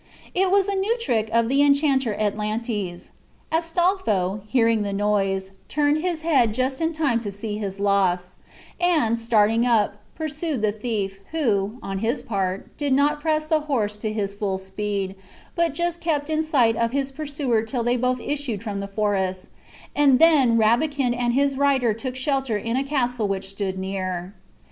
It was a new trick of the enchanter Atlantes. Astolpho, hearing the noise, turned his head just in time to see his loss; and, starting up, pursued the thief, who, on his part, did not press the horse to his full speed, but just kept in sight of his pursuer till they both issued from the forest; and then Rabican and his rider took shelter in a castle which stood near.